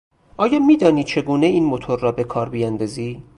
آیا میدانی چگونه این موتور را به کار بیاندازی؟